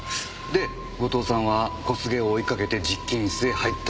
で後藤さんは小菅を追いかけて実験室へ入ったわけですね？